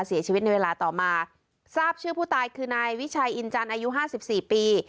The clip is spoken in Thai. เสียชีวิตในเวลาต่อมาทราบชื่อผู้ตายคือนายวิชัยอินจันทร์อายุห้าสิบสี่ปี